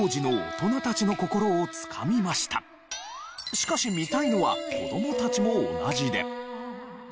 しかし見たいのは子どもたちも同じで。